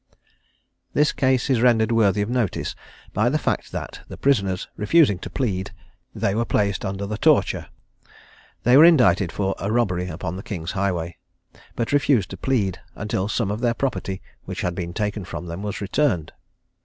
This case is rendered worthy of notice, by the fact that, the prisoners refusing to plead, they were placed under the torture. They were indicted for a robbery upon the king's highway; but refused to plead until some of their property, which had been taken from them, was returned.